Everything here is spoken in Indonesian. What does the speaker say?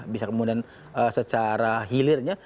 bisa kemudian secara hilirnya